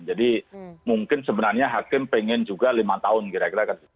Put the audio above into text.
mungkin sebenarnya hakim pengen juga lima tahun kira kira